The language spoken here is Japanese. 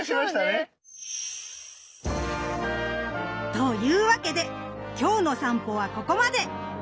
そうね。というわけで今日の散歩はここまで！